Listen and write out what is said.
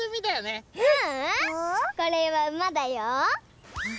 これはうまだよ。